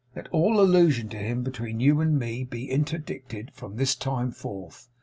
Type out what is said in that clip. Let all allusion to him between you and me be interdicted from this time forth.